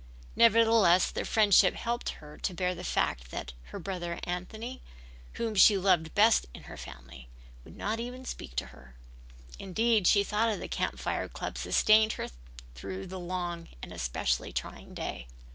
Nevertheless their friendship helped her to bear the fact that her brother Anthony, whom she loved best in her family, would not even speak to her. Indeed the thought of the Camp Fire club sustained her through the long and specially trying day.